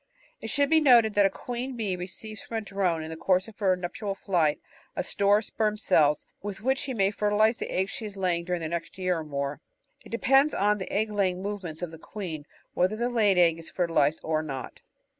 It should be noted that a queen bee receives from a drone in the course of her "nuptial flight" a store of sperm cells with which she may fertilise the eggs she lays during the next year or more. It depends on the egg laying movements of the queen whether the laid egg is fertilised or not.